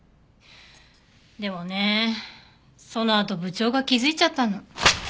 でもねそのあと部長が気づいちゃったの。